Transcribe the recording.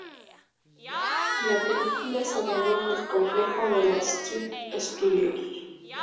La película se rodó en el complejo de Elstree Studios.